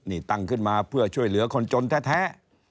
นี่ตั้งขึ้นมาเพื่อช่วยเหลือคนจนแท้